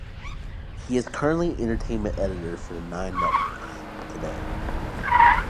He is currently Entertainment Editor for the Nine Network and "Today".